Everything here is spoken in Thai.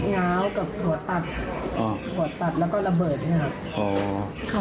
ง้าวกับถั่วตัดถั่วตัดแล้วก็ระเบิดเนี้ยครับอ๋อ